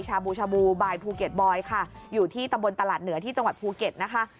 ชาบูชาบูบายภูเก็ตบอยค่ะอยู่ที่ตำบลตลาดเหนือที่จังหวัดภูเก็ตนะคะ